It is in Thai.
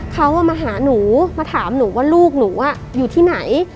เขามาหาหนูมาถามหนูว่าลูกหนูอยู่ที่ไหน